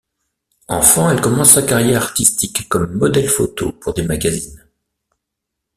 Enfant, elle commence sa carrière artistique comme modèle photo pour des magazines.